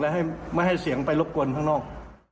และไม่ให้เสียงไปรบกวนข้างนอก